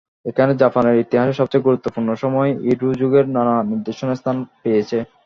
এখানে জাপানের ইতিহাসের সবচেয়ে গুরুত্বপূর্ণ সময় ইডো যুগের নানা নিদর্শন স্থান পেয়েছে।